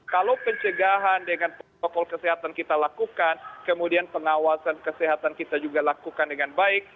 kalau pencegahan dengan protokol kesehatan kita lakukan kemudian pengawasan kesehatan kita juga lakukan dengan baik